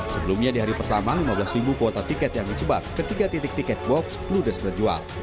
sebelumnya di hari pertama lima belas kuota tiket yang disebar ke tiga titik tiket box ludes terjual